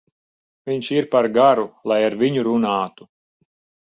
Viņš ir par garu, lai ar viņu runātu.